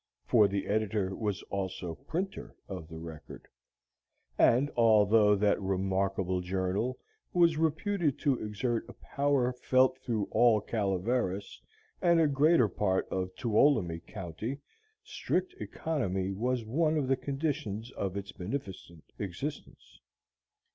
For the editor was also printer of the "Record"; and although that remarkable journal was reputed to exert a power felt through all Calaveras and a greater part of Tuolumne County, strict economy was one of the conditions of its beneficent existence.